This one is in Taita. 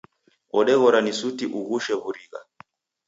Odeghora ni suti ughushe wurigha.